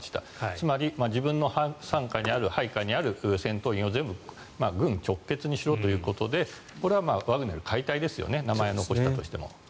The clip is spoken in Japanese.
つまり、自分の傘下、配下にある戦闘員を全部軍直結にしろということでこれはワグネル解体ですよね。